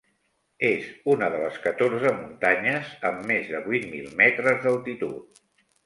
És una de les catorze muntanyes amb més de vuit mil metres d'altitud.